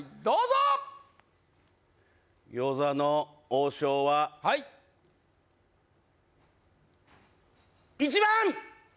どうぞ餃子の王将ははい１番！